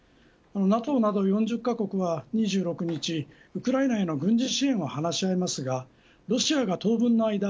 ＮＡＴＯなど４０カ国は２６日、ウクライナへの軍事支援を話し合いますがロシアが当分の間